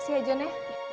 kasih ya jon ya